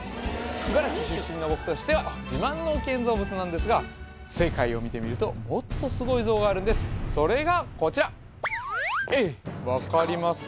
茨城出身の僕としては自慢の建造物なんですが世界を見てみるともっとスゴい像があるんですそれがこちら分かりますか？